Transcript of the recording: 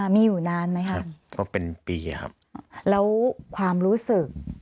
มีอยู่นานไหมครับก็เป็นปีครับแล้วความรู้สึก